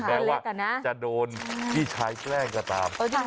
แม้ว่าจะโดนพี่ชายแกล้งก็ตาม